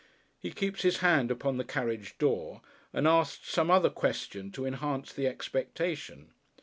He keeps his hand upon the carriage door, and asks some other question to enhance the expectation.